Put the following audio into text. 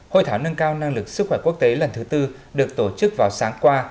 hội thảo nâng cao năng lực sức khỏe quốc tế lần thứ tư được tổ chức vào sáng qua